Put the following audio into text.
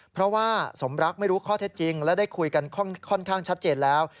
เพราะว่าสมรักไม่รู้ข้อเท็จจริงและได้คุยกันค่อนข้างชัดเจนแล้ว